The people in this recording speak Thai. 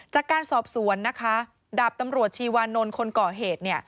จากการสอบสวนนะคะดาบตำรวจชีวานนท์คนก่อเหตุ